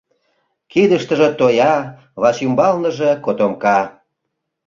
Кидыштыже тоя, вачӱмбалныже котомка.